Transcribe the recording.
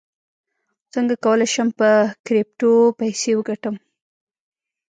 څنګه کولی شم په کریپټو پیسې وګټم